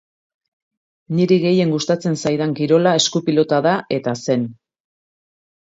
Niri gehien gustatzen zaidan kirola esku-pilota da eta zen.